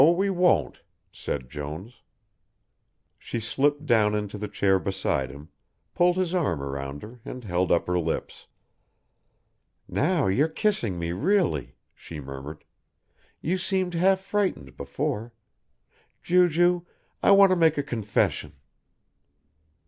"No, we won't," said Jones. She slipped down into the chair beside him, pulled his arm around her and held up her lips. "Now you're kissing me really," she murmured; "you seemed half frightened before Ju ju, I want to make a confession."